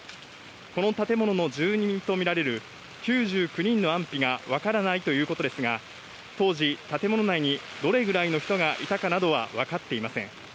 この建物の住人とみられる９９人の安否がわからないということですが、当時、建物内にどれくらいの人がいたかなどはわかっていません。